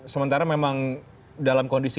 sementara memang dalam kondisi